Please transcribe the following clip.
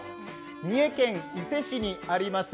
三重県伊勢市にあります